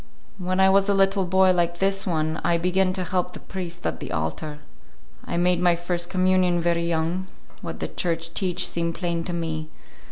When I was a little boy like this one, I begin to help the priest at the altar. I make my first communion very young; what the Church teach seem plain to me.